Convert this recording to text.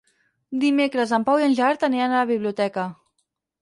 Dimecres en Pau i en Gerard aniran a la biblioteca.